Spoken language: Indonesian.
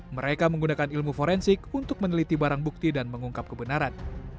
mereka menggunakan ilmu forensik untuk meneliti barang bukti dan mengungkap kebenaran